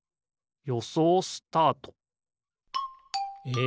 よそうスタート！え